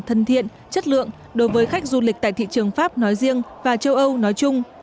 thân thiện chất lượng đối với khách du lịch tại thị trường pháp nói riêng và châu âu nói chung